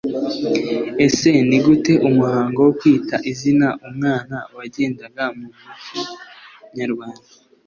Ese ni gute umuhango wo kwita izina umwana wagendaga mu muco nyarwanda?